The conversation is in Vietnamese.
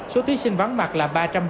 số thí sinh vắng mặt là